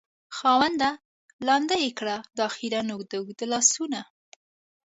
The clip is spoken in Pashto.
خاونده! لنډ کړې دا خیرن اوږده اوږده لاسونه